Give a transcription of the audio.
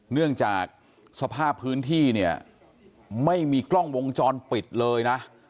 เนื่องจากสภาพพื้นที่เนี่ยไม่มีกล้องวงจรปิดเลยนะ